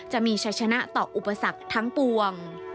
จะมีชัยชนะต่ออุปสรรคทั้งปวง